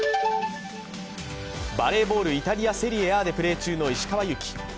バレーボール、イタリア・セリエＡでプレー中の石川祐希。